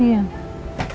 dibuat kursi ini